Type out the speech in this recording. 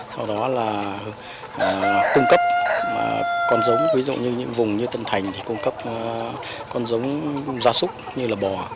sau đó là cung cấp con giống ví dụ như những vùng như tân thành thì cung cấp con giống gia súc như là bò